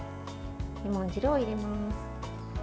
レモン汁を入れます。